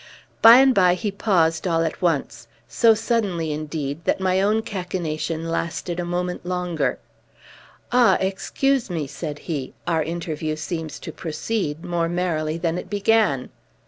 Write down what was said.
By and by, he paused all at once; so suddenly, indeed, that my own cachinnation lasted a moment longer. "Ah, excuse me!" said he. "Our interview seems to proceed more merrily than it began."